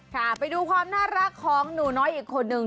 ค่ะไปดูความน่ารักของหนูน้อยอีกคนนึง